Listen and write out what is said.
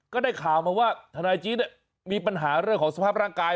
ก็ได้ข่าวมาว่าทนายจี๊ดมีปัญหาเรื่องของสภาพร่างกาย